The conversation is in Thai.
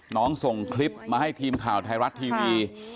ส่งคลิปมาให้ทีมข่าวไทยรัฐทีวี